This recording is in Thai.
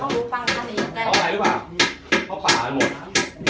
ข้อมูลบ้างข้างนี้ข้ออะไรหรือเปล่าเพราะป่ามันหมดใช่